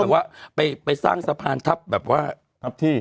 ว่าไปสร้างสะพานทับแบบว่าทับที่